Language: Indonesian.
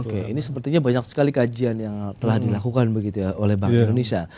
oke ini sepertinya banyak sekali kajian yang telah dilakukan begitu ya oleh bank indonesia